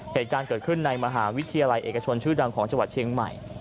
เหตุการณ์เกิดขึ้นในมหาวิทยาลัยเอกชนชื่อดังของจังหวัดเชียงใหม่